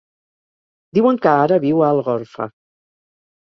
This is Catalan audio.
Diuen que ara viu a Algorfa.